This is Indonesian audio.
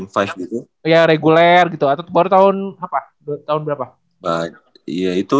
yang mainnya ya reguler gitu atau baru tahun fakultas gitu